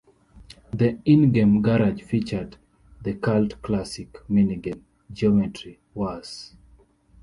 The in-game garage featured the cult-classic mini-game "Geometry Wars".